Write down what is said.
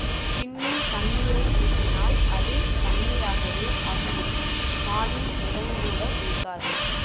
பின்னும் தண்ணீரை ஊற்றினால் அது தண்ணிராகவே ஆகிவிடும் பாலின் நிறங்கூட இருக்காது.